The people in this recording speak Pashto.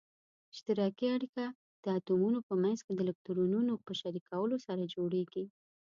اشتراکي اړیکه د اتومونو په منځ کې د الکترونونو په شریکولو سره جوړیږي.